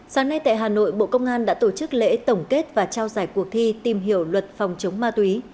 sáng nay tại hà nội bộ công an đã tổ chức lễ tổng kết và trao giải cuộc thi tìm hiểu luật phòng chống ma túy